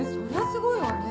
すごいわね。